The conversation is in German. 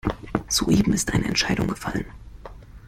Soeben ist eine Entscheidung gefallen.